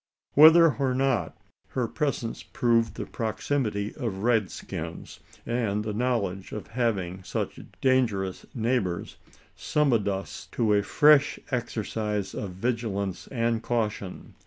Whether or not, her presence proved the proximity of red skins; and the knowledge of having such dangerous neighbours, summoned us to a fresh exercise of vigilance and caution.